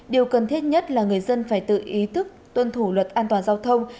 điều cần thiết nhất là người dân phải tự ý thức tuân thủ luật an toàn giao thông